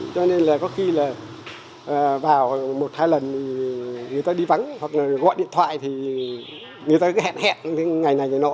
cho nên là có khi là vào một hai lần người ta đi vắng hoặc là gọi điện thoại thì người ta cứ hẹn hẹn ngày này ngày nọ